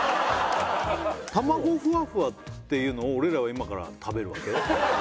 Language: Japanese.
「たまごふわふわ」っていうのを俺らは今から食べるわけ？